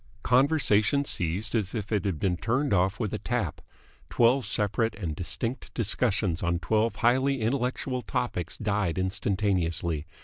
Conversation ceased as if it had been turned off with a tap. Twelve separate and distinct discussions on twelve highly intellectual topics died instantaneously.